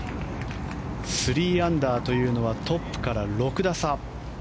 ３アンダーというのはトップから６打差。